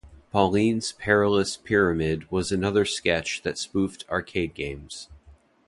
"Pauline's Perilous Pyramid" was another sketch that spoofed arcade games.